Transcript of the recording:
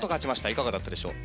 いかがだったでしょう？